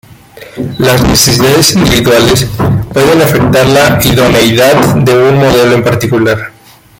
Las necesidades individuales pueden afectar la idoneidad de un modelo en particular.